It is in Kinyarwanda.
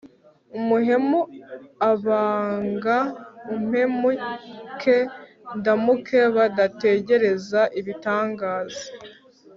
ubuhemu, banga mpemuke ndamuke. badategereza ibitangaza